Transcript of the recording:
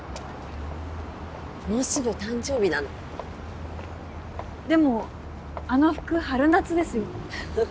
もうすぐ誕生日なのでもあの服春夏ですよ